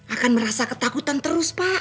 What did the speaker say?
akan merasa ketakutan terus pak